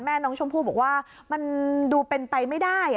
แม่น้องชมพู่บอกว่ามันดูเป็นไปไม่ได้